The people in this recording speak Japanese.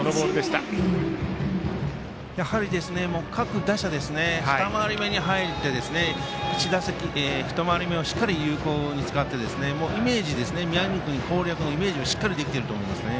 やはり各打者二回り目に入って一回り目をしっかり有効的に使って宮國君、攻略のイメージがしっかりできていると思いますね。